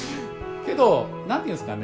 けど何て言うんですかね。